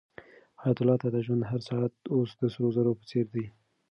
حیات الله ته د ژوند هر ساعت اوس د سرو زرو په څېر دی.